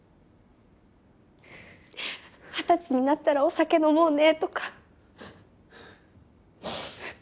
二十歳になったらお酒飲もうねとか。